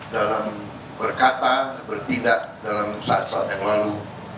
dalam berkata bertindak dalam saat saat yang lalu